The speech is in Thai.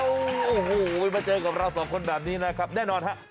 โอ้โหมาเจอกับเราสองคนแบบนี้นะครับแน่นอนฮะ